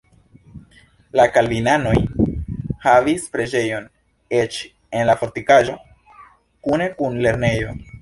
La kalvinanoj havis preĝejon eĉ en la fortikaĵo kune kun lernejo.